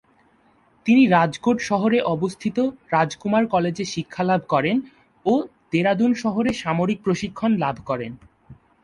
তিনি রাজকোট শহরে অবস্থিত রাজকুমার কলেজে শিক্ষালাভ করেন ও দেরাদুন শহরে সামরিক প্রশিক্ষণ লাভ করেন।